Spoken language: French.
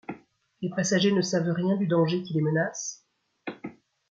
Les passagers ne savent rien du danger qui les menace ?